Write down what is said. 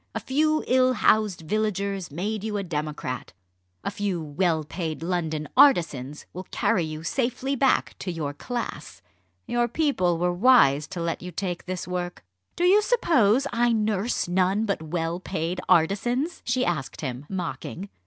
A few ill housed villagers made you a democrat. A few well paid London artisans will carry you safely back to your class. Your people were wise to let you take this work." "Do you suppose I nurse none but well paid artisans?" she asked him, mocking.